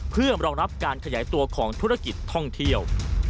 เพื่อรองรับการขยายตัวของธุรกิจท่องเที่ยว